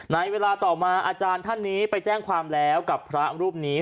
ในเวลาต่อมาอาจารย์ท่านนี้ไปแจ้งความแล้วกับพระรูปนี้